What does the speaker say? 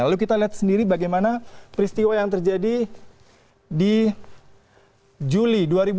lalu kita lihat sendiri bagaimana peristiwa yang terjadi di juli dua ribu dua puluh